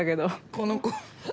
この子。